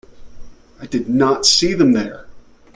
I did not see them there.